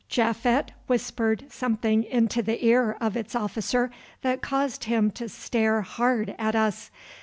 Japhet whispered something into the ear of its officer that caused him to stare hard at us.